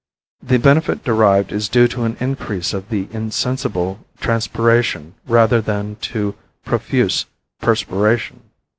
The benefit derived is due to an increase of the insensible transpiration rather than to profuse perspiration.